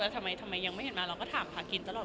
แล้วทำไมทำไมยังไม่เห็นมาเราก็ถามผักกินตลอด